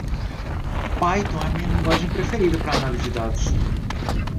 Python é minha linguagem preferida para análise de dados.